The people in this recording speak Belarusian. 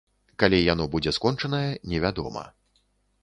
Калі яно будзе скончанае, невядома.